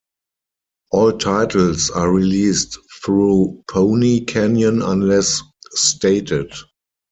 All titles are released through Pony Canyon unless stated.